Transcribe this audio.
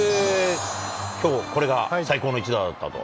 きょうこれが最高の一打だったと。